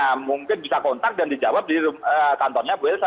nah mungkin bisa kontak dan dijawab di kantornya bu elsa